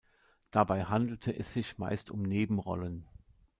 Dabei handelte es sich meist um Nebenrollen.